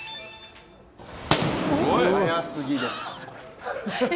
速すぎです。